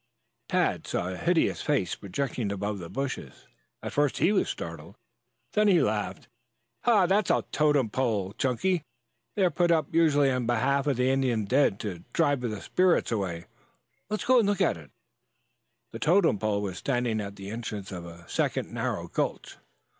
Tad saw a hideous head projecting above the bushes. At first he was startled, then he laughed. "That's a totem pole, Chunky. They're put up usually in behalf of the Indian dead to drive the spirits away. Let's go and look at it." The totem pole was standing at the entrance of a second narrow gulch.